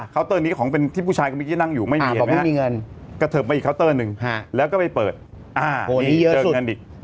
เคาน์เตอร์นี้ของเป็นที่ผู้ชายกำลังจะนั่งอยู่ไม่มีเห็นไหมฮะกระเถิบไปอีกเคาน์เตอร์นึงแล้วก็ไปเปิดโหนี่เยอะสุด